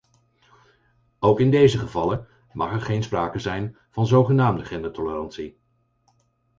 Ook in deze gevallen mag er geen sprake zijn van zogenaamde gendertolerantie.